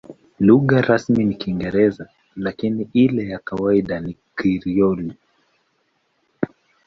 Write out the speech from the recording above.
Lugha rasmi ni Kiingereza, lakini ile ya kawaida ni Krioli.